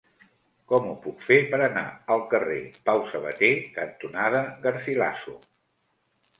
Com ho puc fer per anar al carrer Pau Sabater cantonada Garcilaso?